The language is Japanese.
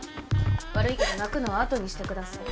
悪いけど泣くのはあとにしてください。